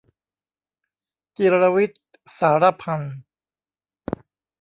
จิรวิทย์ สาระพันธ์